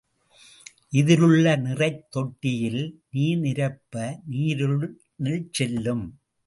இதிலுள்ள நிறைத் தொட்டியில் நீர் நிரப்ப, நீரினுள் செல்லும்.